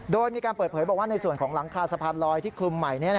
โดยมีการเปิดเผยบอกว่าในส่วนของหลังคาสะพานลอยที่คลุมใหม่